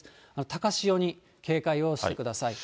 高潮に警戒をしてください。